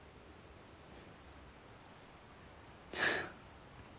フッ。